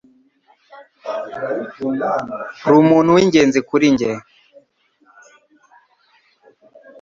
Urumuntu wingenzi kuri njye.